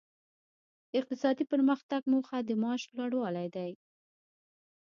د اقتصادي پرمختګ موخه د معاش لوړوالی دی.